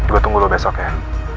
gue tunggu dulu besok ya